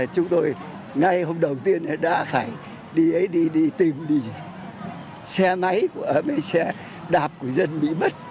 chúng tôi ngay hôm đầu tiên đã phải đi ấy đi đi tìm đi xe máy của xe đạp của dân bị mất